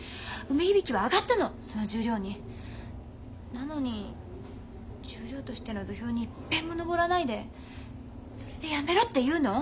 なのに十両としての土俵にいっぺんものぼらないでそれでやめろって言うの！？